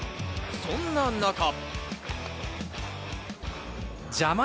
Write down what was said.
そんな中。